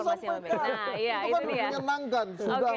disospekkan nah itu kan menyenangkan